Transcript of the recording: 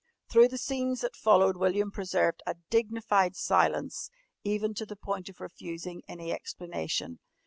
Through the scenes that followed William preserved a dignified silence, even to the point of refusing any explanation.